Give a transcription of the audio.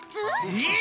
えっ？